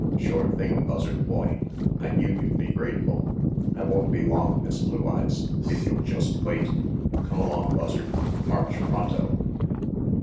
Shore thing, Buzzard Boy. I knew you'd be grateful. I won't be long, Miss Blue Eyes, if you'll just wait. Come along, Buzzard. March pronto."